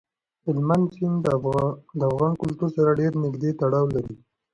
هلمند سیند د افغان کلتور سره ډېر نږدې تړاو لري.